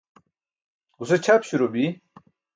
Guse ćʰap śuro bi.